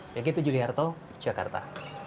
begitu juliarto jakarta